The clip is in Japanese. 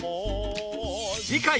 次回